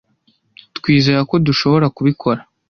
Twizera ko dushobora kubikora.